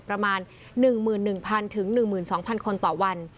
ประมาณ๑๑๐๐๑๒๐๐คนต่อวัน